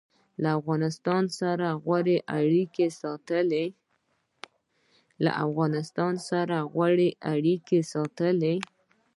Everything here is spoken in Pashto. له افغانستان سره غوره اړیکې ساتلي